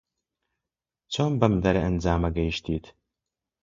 چۆن بەم دەرەنجامە گەیشتیت؟